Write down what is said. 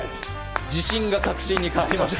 自信が確信に変わりました。